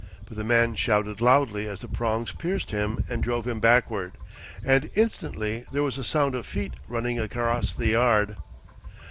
But the man shouted loudly as the prongs pierced him and drove him backward, and instantly there was a sound of feet running across the yard.